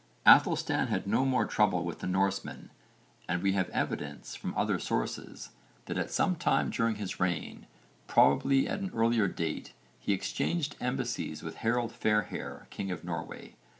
Aethelstan had no more trouble with the Norsemen and we have evidence from other sources that at some time during his reign, probably at an earlier date, he exchanged embassies with Harold Fairhair, king of Norway.